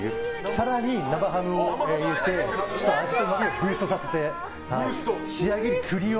更に生ハムを入れて味をブースとさせて更に栗を。